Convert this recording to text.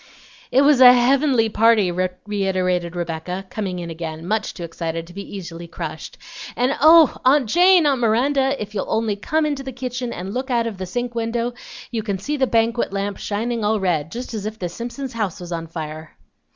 "It was a heavenly party," reiterated Rebecca, coming in again, much too excited to be easily crushed, "and oh! aunt Jane, aunt Miranda, if you'll only come into the kitchen and look out of the sink window, you can see the banquet lamp shining all red, just as if the Simpsons' house was on fire."